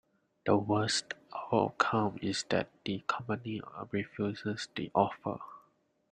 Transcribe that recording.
The worst outcome is that the company refuses the offer.